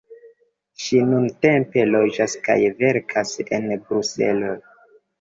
Ŝi nuntempe loĝas kaj verkas en Bruselo.